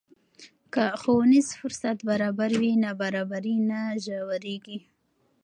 که ښوونیز فرصت برابر وي، نابرابري نه ژورېږي.